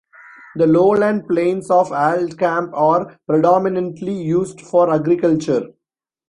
The lowland plains of Alt Camp are predominantly used for agriculture.